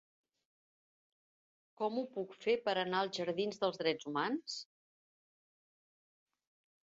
Com ho puc fer per anar als jardins dels Drets Humans?